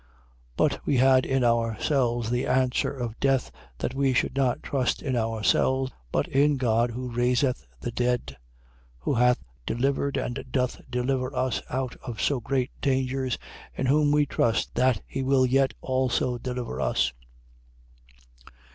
1:9. But we had in ourselves the answer of death, that we should not trust in ourselves, but in God who raiseth the dead. 1:10. Who hath delivered and doth deliver us out of so great dangers: in whom we trust that he will yet also deliver us, 1:11.